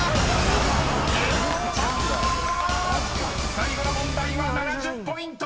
［最後の問題は７０ポイント！］